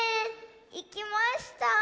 いきました。